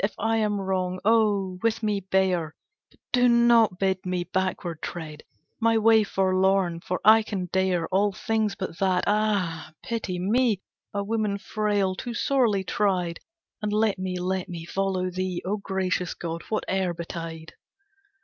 If I am wrong, oh! with me bear; But do not bid me backward tread My way forlorn, for I can dare All things but that; ah! pity me, A woman frail, too sorely tried! And let me, let me follow thee, O gracious god, whate'er betide.